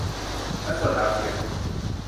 และส่วนดาวเทียม